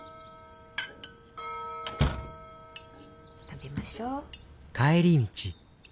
食べましょう。